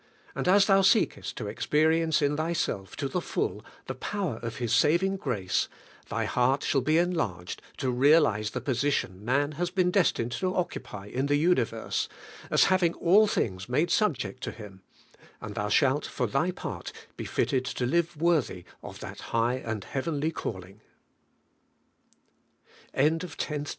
And as thou seekest to experience in thyself to the full, the power of His saving grace, thy heart shall be enlarged to realize the position man has been destined to oc cupy in the universe, as having all things made sub ject to him, and thou shalt for thy part be fitted to live worthy of that high and heave